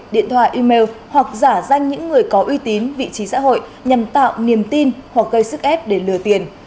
điện thoại email hoặc giả danh những người có uy tín vị trí xã hội nhằm tạo niềm tin hoặc gây sức ép để lừa tiền